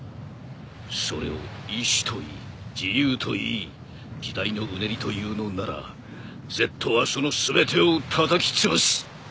それを意志と言い自由と言い時代のうねりと言うのならＺはその全てをたたきつぶす。